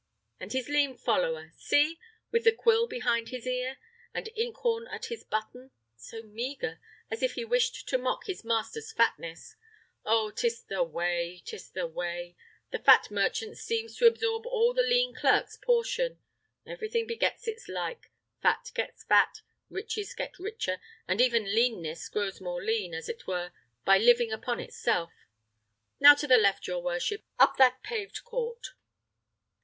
And his lean follower; see! with the quill behind his ear, and inkhorn at his button, so meagre, as if he wished to mock his master's fatness. Oh! 'tis the way, 'tis the way; the fat merchant seems to absorb all the lean clerk's portion. Everything begets its like; fat gets fat, riches get riches, and even leanness grows more lean, as it were, by living upon itself. Now to the left, your worship, up that paved court."